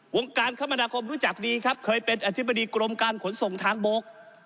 วงการคมนาคมรู้จักดีครับเคยเป็นอธิบดีกรมการขนส่งทางบก